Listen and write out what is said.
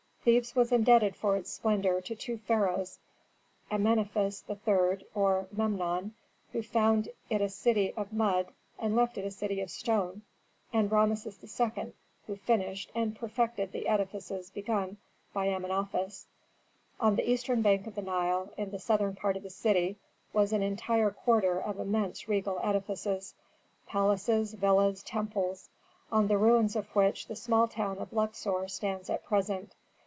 Thebes was indebted for its splendor to two pharaohs: Amenophis III. or Memnon, who found it a "city of mud and left it a city of stone," and Rameses II., who finished, and perfected the edifices begun by Amenophis. On the eastern bank of the Nile, in the southern part of the city, was an entire quarter of immense regal edifices: palaces, villas, temples, on the ruins of which the small town of Luxor stands at present.